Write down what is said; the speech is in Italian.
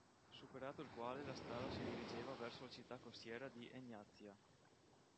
Superato il quale la strada si dirigeva verso la città costiera di "Egnazia".